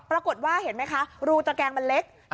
ปรากฏว่าเห็นไหมคะรูตระแกงมันเล็ก